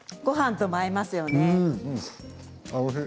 ごはんとも合いますよね。